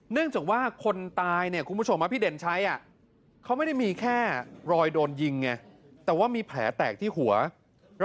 เนื่องจากมันปายถึงว่าภาพคนตาย